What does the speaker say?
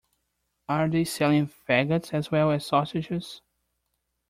Are they selling faggots as well as sausages?